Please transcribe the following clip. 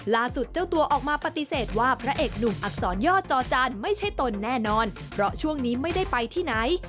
เจ้าตัวออกมาปฏิเสธว่าพระเอกหนุ่มอักษรย่อจอจันทร์ไม่ใช่ตนแน่นอนเพราะช่วงนี้ไม่ได้ไปที่ไหน